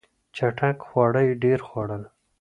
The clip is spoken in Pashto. چټک خواړه یې ډېر خوړل.